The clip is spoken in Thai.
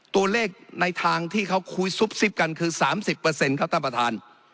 ตัวเลขในทางที่เขาคุยซุบซิบกันคือ๓๐ครับท่านประธาน